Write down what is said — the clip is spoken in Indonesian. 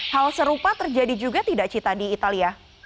hal serupa terjadi juga tidak cita di italia